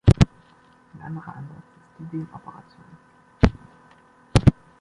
Ein anderer Ansatz ist die Dehn-Operation.